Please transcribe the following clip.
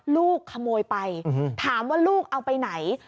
ลูกขโมยไปถามว่าลูกเอาไปไหน